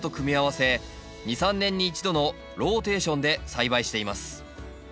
２３年に１度のローテーションで栽培しています。